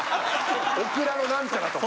オクラのなんちゃらとか。